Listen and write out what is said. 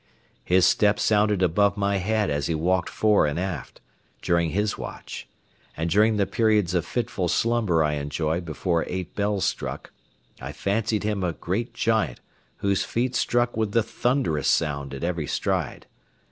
His step sounded above my head as he walked fore and aft, during his watch; and during the periods of fitful slumber I enjoyed before eight bells struck, I fancied him a great giant whose feet struck with a thunderous sound at every stride.